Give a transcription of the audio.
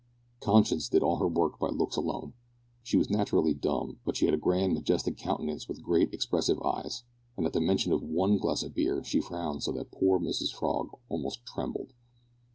Conscience did all her work by looks alone. She was naturally dumb, but she had a grand majestic countenance with great expressive eyes, and at the mention of one glass of beer she frowned so that poor Mrs Frog almost trembled.